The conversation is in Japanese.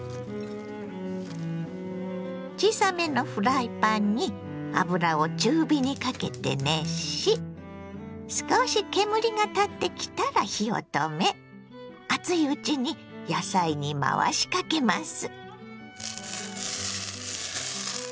小さめのフライパンに油を中火にかけて熱し少し煙が立ってきたら火を止め熱いうちに野菜に回しかけます。